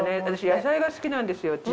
私野菜が好きなんですよ